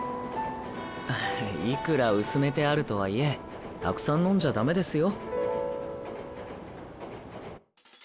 いくら薄めてあるとはいえたくさん飲んじゃ駄目ですよ。